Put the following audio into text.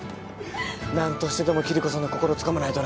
何としてでもキリコさんの心つかまないとな。